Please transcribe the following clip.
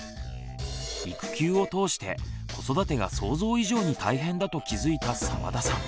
育休を通して子育てが想像以上に大変だと気付いた澤田さん。